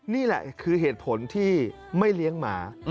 นี่แหละคือเหตุผลที่ไม่เลี้ยงหมา